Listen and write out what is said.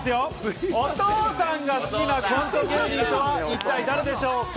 お父さんが好きなコント芸人とは一体誰でしょうか？